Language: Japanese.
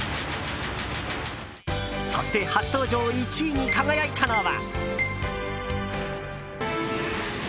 そして初登場１位に輝いたのは。